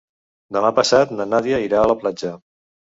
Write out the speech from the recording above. Demà passat na Nàdia irà a la platja.